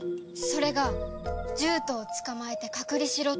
それが「獣人を捕まえて隔離しろ」